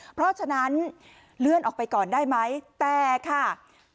เพราะฉะนั้นเลื่อนออกไปก่อนได้ไหมแต่ค่ะ